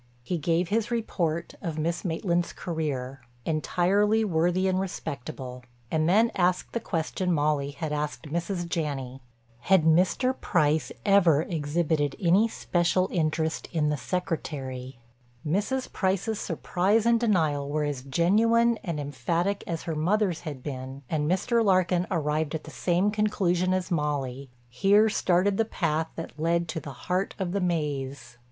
He gave his report of Miss Maitland's career—entirely worthy and respectable—and then asked the question Molly had asked Mrs. Janney: had Mr. Price ever exhibited any special interest in the secretary? Mrs. Price's surprise and denial were as genuine and emphatic as her mother's had been and Mr. Larkin arrived at the same conclusion as Molly—here started the path that led to the heart of the maze.